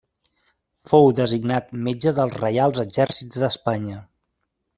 Fou designat metge dels Reials Exèrcits d'Espanya.